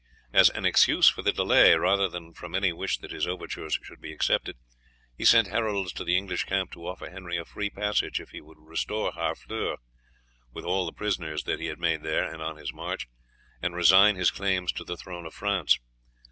As an excuse for the delay, rather than from any wish that his overtures should be accepted, he sent heralds to the English camp to offer Henry a free passage if he would restore Harfleur, with all the prisoners that he had made there and on his march, and resign his claims to the throne of France.